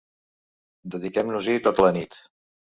Dediquem-nos-hi tota la nit.